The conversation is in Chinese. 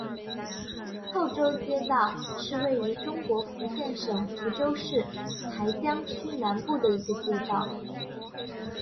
后洲街道是位于中国福建省福州市台江区南部的一个街道。